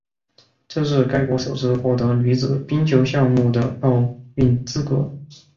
这是该国首次获得女子冰球项目的奥运资格。